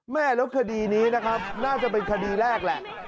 แม่แล้วคดีนี้น่าจะเป็นคดีแรกแหล่ะ